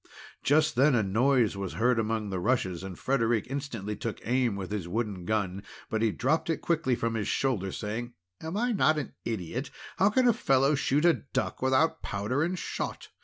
Just then a noise was heard among the rushes, and Frederic instantly took aim with his wooden gun. But he dropped it quickly from his shoulder, saying: "Am I not an idiot! How can a fellow shoot a duck without powder and shot?